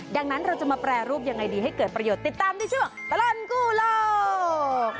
ดังนั้นเราจะมาแปรรูปยังไงดีให้เกิดประโยชน์ติดตามในช่วงตลอดกู้โลก